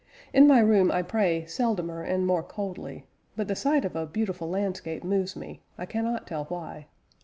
In my room I pray seldomer and more coldly; but the sight of a beautiful landscape moves me, I cannot tell why.